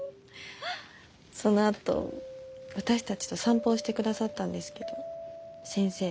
そのあと私たちと散歩をしてくださったんですけど先生